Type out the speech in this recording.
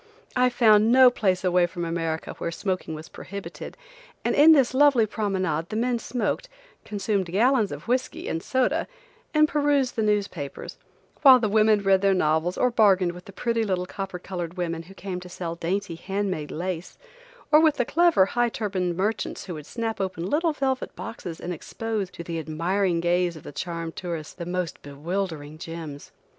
I found no place away from America where smoking was prohibited, and in this lovely promenade the men smoked, consumed gallons of whiskey and soda and perused the newspapers, while the women read their novels or bargained with the pretty little copper colored women who came to sell dainty hand made lace, or with the clever, high turbaned merchants who would snap open little velvet boxes and expose, to the admiring gaze of the charmed tourists, the most bewildering gems.